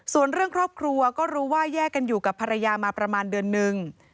ส่วนเรื่องครอบครัวก็รู้ว่าแยกกันอยู่กับภรรยามาประมาณเดือนนึง